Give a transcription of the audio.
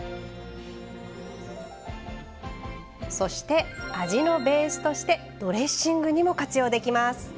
そして味のベースとしてドレッシングにも活用できます。